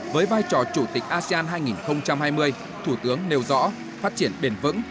với vai trò chủ tịch asean hai nghìn hai mươi thủ tướng nêu rõ phát triển bền vững